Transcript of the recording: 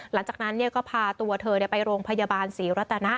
หลังจากนั้นก็พาตัวเธอไปโรงพยาบาลศรีรัตนะ